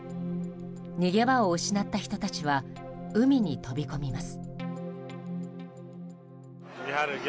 逃げ場を失った人たちは海に飛び込みます。